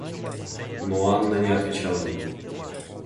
Но Анна не отвечала ей.